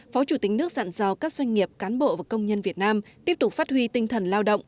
phó chủ tịch nước dặn do các doanh nghiệp cán bộ và công nhân việt nam tiếp tục phát huy tinh thần lao động